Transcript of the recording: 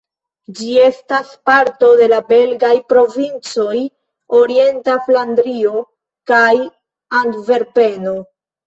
Ĝi estas parto de la belgaj provincoj Orienta Flandrio kaj Antverpeno.